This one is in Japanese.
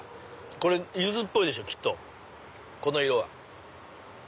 これユズっぽいでしょきっとこの色は。